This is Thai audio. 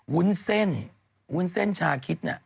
วุ้นเส้นวุ้นเส้นชาคิดเนี่ย